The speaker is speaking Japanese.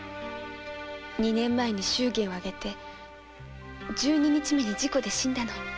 ２年前祝言を挙げて１２日目に事故で死んだの。